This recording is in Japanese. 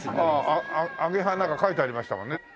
鳳蝶なんか書いてありましたもんね。